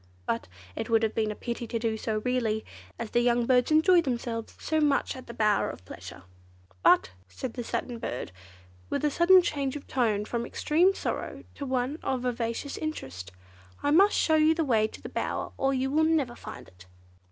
But it would have been a pity to do so, really, as the young birds enjoy themselves so much at the 'Bower of Pleasure'. But," said the Satin Bird, with a sudden change of tone from extreme sorrow to one of vivacious interest, "I must show you the way to the bower, or you would never find it."